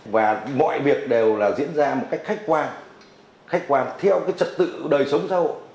và mọi việc đều là diễn ra một cách khách quan khách quan theo cái trật tự đời sống xã hội